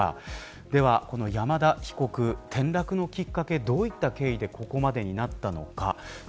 では、山田被告の転落のきっかけがどういった経緯でこういうことになったのかです。